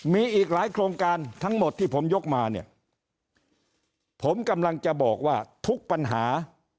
มีอีกหลายโครงการทั้งหมดที่ผมยกมาเนี่ยผมกำลังจะบอกว่าทุกปัญหา